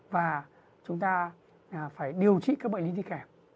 và chúng ta phải điều trị các bệnh linh thi kẹp